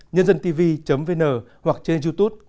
nhândântv vn hoặc trên youtube